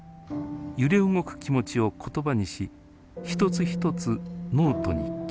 揺れ動く気持ちを言葉にし一つ一つノートに刻みました。